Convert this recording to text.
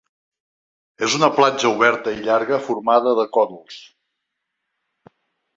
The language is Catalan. És una platja oberta i llarga formada de còdols.